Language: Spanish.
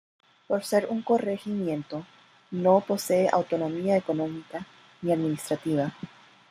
Por ser un corregimiento, no posee autonomía económica, ni administrativa.